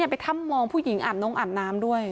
ไปทำมองผู้หญิงอ่านน้องอ่านน้ำด้วย